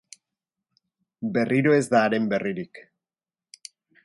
Berriro ez da haren berririk.